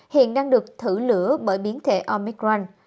hiện đang được thử lửa bởi biến thể omicron